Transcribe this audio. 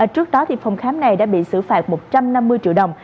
trước đó phòng khám này đã bị xử phạt một trăm năm mươi triệu đồng